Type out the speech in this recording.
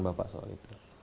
bapak soal itu